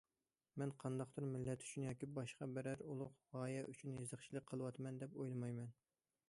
مەن قانداقتۇر مىللەت ئۈچۈن ياكى باشقا بىرەر ئۇلۇغ غايە ئۈچۈن يېزىقچىلىق قىلىۋاتىمەن دەپ ئويلىمايمەن.